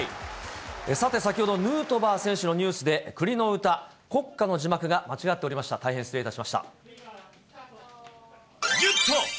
さて、先ほど、ヌートバー選手のニュースで、国の歌、国歌の字幕が間違っておりました、大変失礼いたしました。